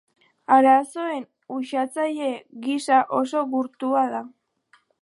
Arazoen uxatzaile gisa oso gurtua da.